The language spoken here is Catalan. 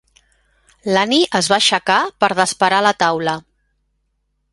L'Annie es va aixecar per desparar la taula.